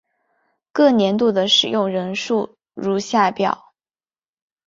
各年度的使用人数如下表。